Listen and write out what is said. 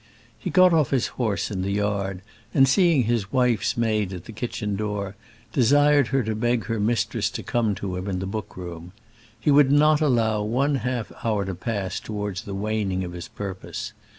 He got off his horse in the yard, and seeing his wife's maid at the kitchen door, desired her to beg her mistress to come to him in the book room. He would not allow one half hour to pass towards the waning of his purpose.